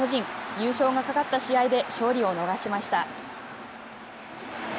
優勝がかかった試合で勝利を逃しました。